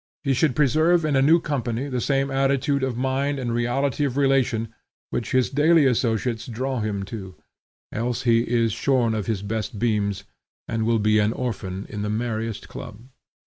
He should preserve in a new company the same attitude of mind and reality of relation which his daily associates draw him to, else he is shorn of his best beams, and will be an orphan in the merriest club.